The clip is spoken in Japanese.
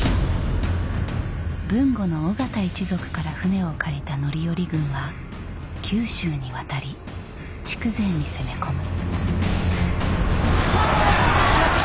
豊後の緒方一族から船を借りた範頼軍は九州に渡り筑前に攻め込む。